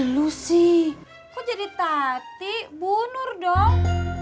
lu sih kok jadi tati bu nur dong